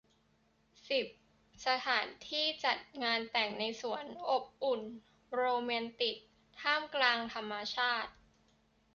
สิบ สถานที่จัดงานแต่งในสวน อบอุ่น โรแมนติก ท่ามกลางธรรมชาติ